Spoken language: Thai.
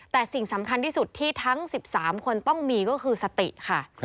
แต่สิ่งสำคัญที่สุดที่ทั้ง๑๓คนต้องมีก็คือสติค่ะ